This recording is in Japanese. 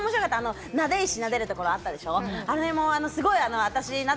撫石をなでるところあったでしょ？